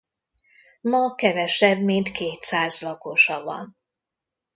Ma kevesebb mint kétszáz lakosa van.